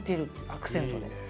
アクセントで。